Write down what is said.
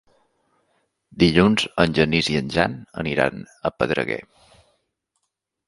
Dilluns en Genís i en Jan aniran a Pedreguer.